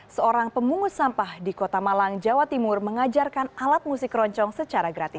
seorang pemungut sampah di kota malang jawa timur mengajarkan alat musik keroncong secara gratis